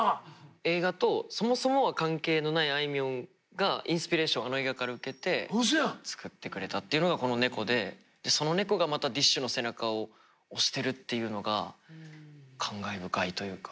映画とそもそもは関係のないあいみょんがインスピレーションあの映画から受けて作ってくれたっていうのがこの「猫」でその「猫」がまたＤＩＳＨ／／の背中を押してるっていうのが感慨深いというか。